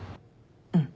うん。